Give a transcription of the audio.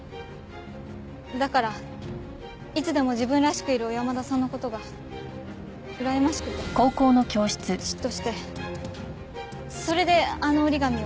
だからいつでも自分らしくいる尾山田さんの事がうらやましくて嫉妬してそれであの折り紙を。